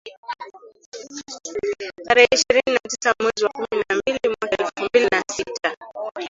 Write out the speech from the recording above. tarehe ishirini na tisa mwezi wa kumi na mbili mwaka elfu mbili na sita